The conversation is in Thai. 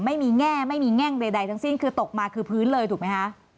แง่ไม่มีแง่งใดทั้งสิ้นคือตกมาคือพื้นเลยถูกไหมคะ